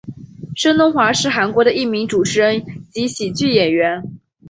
申东烨是韩国的一名主持人及喜剧演员。